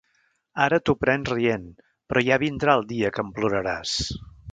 Ara t'ho prens rient, però ja vindrà dia que en ploraràs.